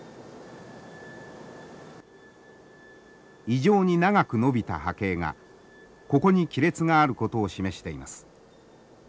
異常に長く伸びた波形がここに亀裂があることを示しています。